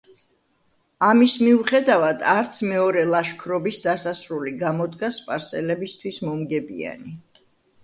ამის მიუხედავად არც მეორე ლაშქრობის დასასრული გამოდგა სპარსელებისთვის მომგებიანი.